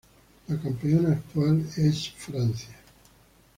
Los campeones actuales son Francia.